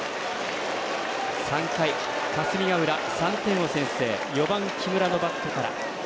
３回、霞ヶ浦３点を先制、４番木村のバットから。